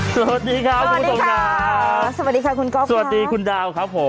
สวัสดีครับคุณก๊อปครับสวัสดีคุณดาวครับ